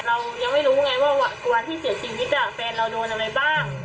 เรายังไม่รู้ไงว่าวันที่เสียชีวิตแฟนเราโดนอะไรบ้าง